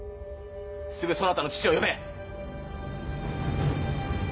すぐそなたの父を呼べ！